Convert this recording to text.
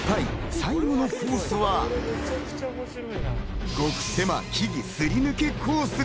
最後のコースは極狭木々すり抜けコース。